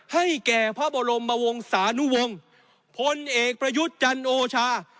ให้แก่พระบรมวงศานุวงศ์พลเอกประยุทธ์จันโอชา